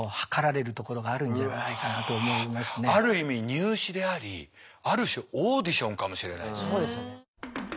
ある意味入試でありある種オーディションかもしれないですよ。